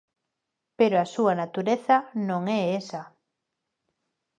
Pero a súa natureza non é esa.